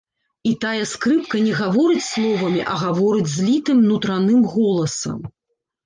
І тая скрыпка не гаворыць словамі, а гаворыць злітым нутраным голасам.